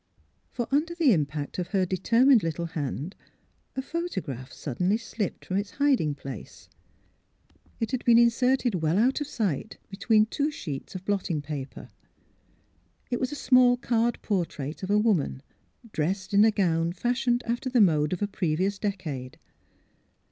For under the impact of her determined little hand a photograph suddenly slipped from its hiding 12 THE HEART OF PHH^URA place. It had been inserted well out of sight be j;ween two sheets of blotting paper. It was a small card portrait of a woman, pressed in a gown fashioned after the mode of a previous decade.